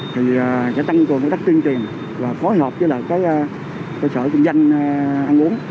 thì sẽ tăng cường các cách truyền truyền và phối hợp với các cơ sở kinh doanh ăn uống